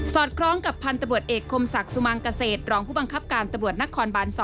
คล้องกับพันธบรวจเอกคมศักดิ์สุมังเกษตรรองผู้บังคับการตำรวจนครบาน๒